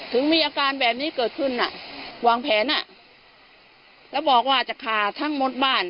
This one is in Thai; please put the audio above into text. ถึงมีอาการแบบนี้เกิดขึ้นอ่ะวางแผนอ่ะแล้วบอกว่าจะฆ่าทั้งหมดบ้าน